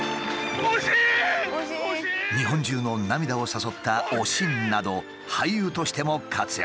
日本中の涙を誘った「おしん」など俳優としても活躍。